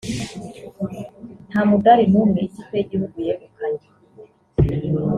nta mudari n’umwe ikipe y’igihugu yegukanye